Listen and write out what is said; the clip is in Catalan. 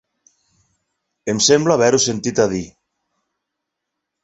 -Em sembla haver-ho sentit a dir.